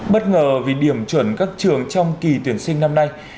bất ngờ vì điểm chuẩn các trường trong kỳ tuyển sinh năm nay